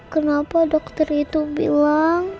kenapa dokter itu bilang